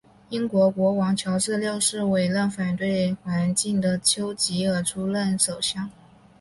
英国国王乔治六世委任反对绥靖的邱吉尔出任首相。